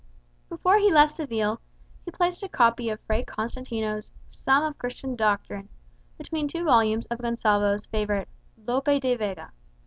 Before he left Seville, he placed a copy of Fray Constantino's "Sum of Christian Doctrine" between two volumes of Gonsalvo's favourite "Lope de Vega."